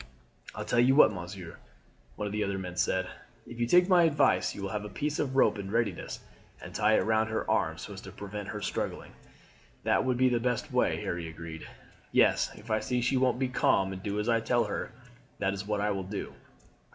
"I'll tell you what, monsieur," one of the other men said; "if you take my advice you will have a piece of rope in readiness and tie it round her arms so as to prevent her struggling." "That would be the best way," Harry agreed. "Yes, if I see she won't be calm and do as I tell her, that is what I will do."